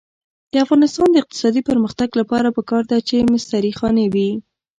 د افغانستان د اقتصادي پرمختګ لپاره پکار ده چې مستري خانې وي.